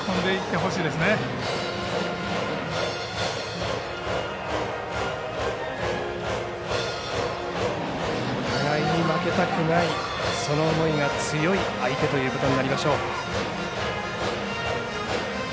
お互いに負けたくないその思いが強い相手ということになりましょう。